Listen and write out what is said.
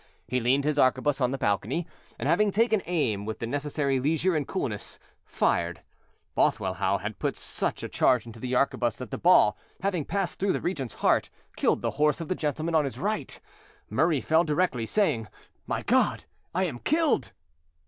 He leaned his arquebuse on the balcony, and, having taken aim with the necessary leisure and coolness, fired. Bothwellhaugh had put such a charge into the arquebuse, that the ball, having passed through the regent's heart, killed the horse of a gentleman on his right. Murray fell directly, saying, "My God! I am killed."